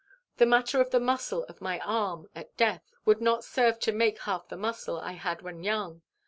The matter in the muscle of my arm at death would not serve to make half the muscle I had when young.